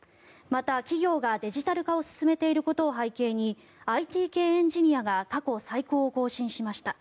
また、企業がデジタル化を進ていることを背景にＩＴ系エンジニアが過去最高を更新しました。